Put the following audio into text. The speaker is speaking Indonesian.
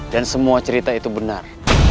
dan semua cerita itu benar